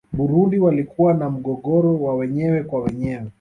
burundi walikuwa na mgogoro wa wenyewe kwa wenyewe